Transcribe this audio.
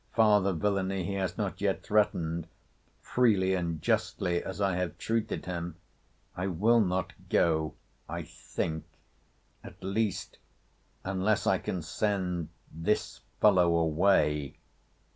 Farther villany he has not yet threatened; freely and justly as I have treated him!—I will not go, I think. At least, unless I can send this fellow away.